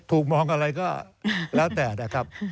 ถูกมองอะไรก็แล้วแต่นะครับ